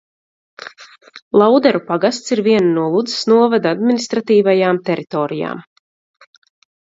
Lauderu pagasts ir viena no Ludzas novada administratīvajām teritorijām.